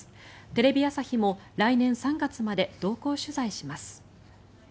テレビ朝日も来年３月まで同行取材します。